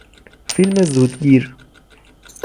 فیلم زودگیر